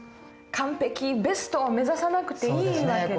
完璧ベストを目指さなくていい訳ですか。